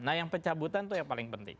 nah yang pencabutan itu yang paling penting